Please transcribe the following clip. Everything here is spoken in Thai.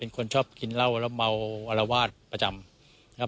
เป็นคนชอบกินเหล้าแล้วเมาอารวาสประจำนะครับ